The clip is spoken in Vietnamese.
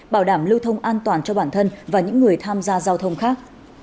bảo đảm lưu thông an toàn cho bản thân và những người tham gia giao thông khác